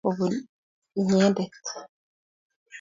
Kou nitok le kiamoche kopun inyendet.